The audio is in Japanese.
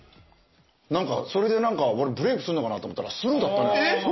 それで俺ブレークすんのかなって思ったらスルーだったのよ。えっ！？